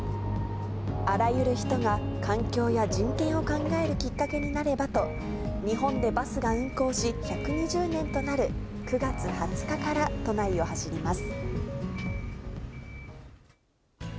あらゆる人が環境や人権を考えるきっかけになればと日本でバスが運行し、１２０年となる９月２０日から都内を走ります。